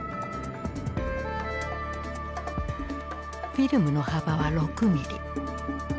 フィルムの幅は６ミリ。